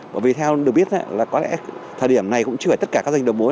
bởi vì theo được biết là có lẽ thời điểm này cũng chưa phải tất cả các doanh nghiệp đồng hối